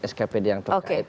skpd yang terkait